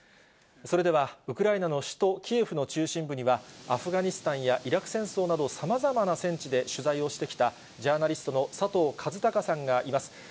それでは、ウクライナの首都キエフの中心部には、アフガニスタンやイラク戦争など、さまざまな戦地で取材をしてきたジャーナリストの佐藤和孝さんがいます。